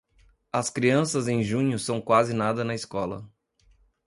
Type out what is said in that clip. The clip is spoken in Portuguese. As crianças em junho são quase nada na escola.